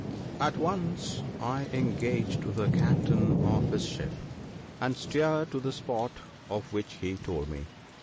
At once I engaged the captain and his ship, and steered to the spot of which he told me.